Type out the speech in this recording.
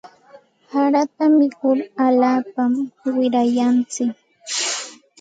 Harata mikur alaapa wirayantsik.